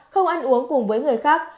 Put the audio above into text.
không ăn uống cùng với người khác